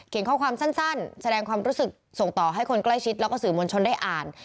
ข้อความสั้นแสดงความรู้สึกส่งต่อให้คนใกล้ชิดแล้วก็สื่อมวลชนได้อ่าน